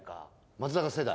松坂世代？